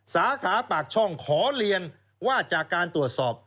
สาขาปากช่องขอเรียนว่าจากการตรวจสอบ